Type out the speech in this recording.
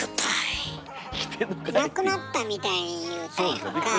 亡くなったみたいに言うたやんか。